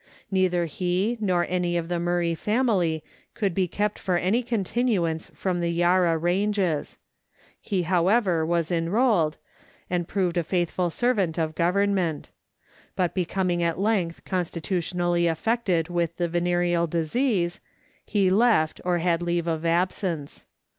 Is either he* nor any of the Murray family could be kept for any continuance from the Yarra Ranges ; he, however, was enrolled, and proved a faithful servant of Government ; but becoming at length constitutionally affected with the venereal disease, he left or had leave of absence.